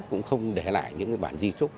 cũng không để lại những bản di trúc